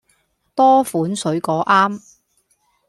多款水果啱